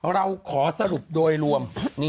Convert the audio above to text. เราขอสรุปโดยรวม